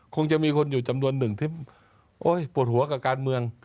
คงจะมีคนอยู่จำนวนหนึ่งที่โอ๊ยปวดหัวกับการเมือง